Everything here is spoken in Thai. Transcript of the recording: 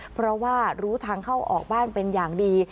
เพราะว่ารู้ทางเข้าออกบ้านเป็นอย่างดี